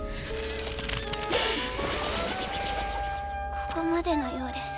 ここまでのようです